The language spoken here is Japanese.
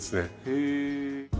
へえ。